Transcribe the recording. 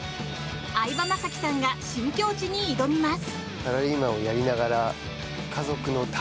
相葉雅紀さんが新境地に挑みます！